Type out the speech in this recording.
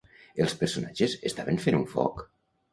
Els personatges estaven fent un foc?